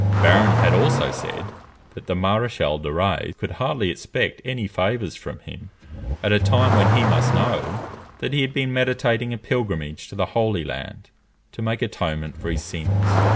Barron had also said, that the Maréchal de Rays could hardly expect any favours from him, at a time when he must know that he had been meditating a pilgrimage to the Holy Land to make atonement for his sins.